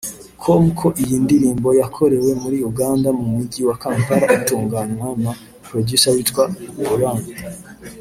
com ko iyi ndirimbo yakorewe muri Uganda mu mujyi wa Kampala itunganywa na Producer witwa Buran